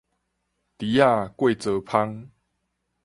豬仔過槽芳